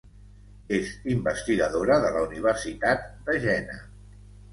És investigadora de la Universitat de Jena.